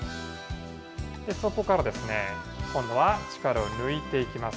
そこからですね、今度は力を抜いていきます。